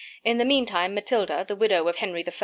In the mean time, Matilda, the widow of Henry I.